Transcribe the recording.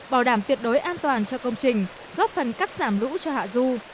bảo đảm tuyệt đối an toàn cho công trình góp phần cắt giảm lũ cho hạ du